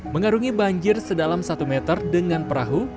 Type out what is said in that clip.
mengarungi banjir sedalam satu meter dengan perahu